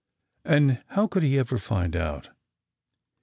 And how could he ever find out